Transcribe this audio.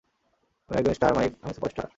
আমি একজন star Mike, আমি সুপারস্টার।